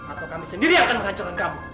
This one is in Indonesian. atau kami sendiri akan menghancurkan kamu